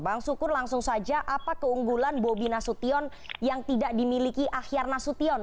bang sukun langsung saja apa keunggulan bobi nasution yang tidak dimiliki ahyar nasution